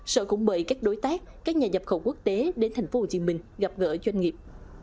sở cũng bởi các đối tác các nhà dập khẩu quốc tế đến thành phố hồ chí minh gặp gỡ doanh nghiệp